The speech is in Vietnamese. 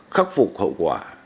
khắc phục hậu quả